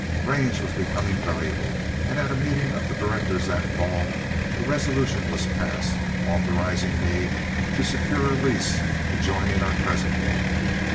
Range was becoming valuable, and at a meeting of the directors that fall a resolution was passed, authorizing me to secure a lease adjoining our present one.